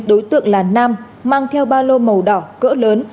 đối tượng là nam mang theo ba lô màu đỏ cỡ lớn